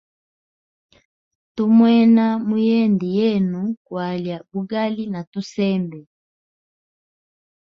Tu mwena muyende yenu kwalya bugali na tusembe.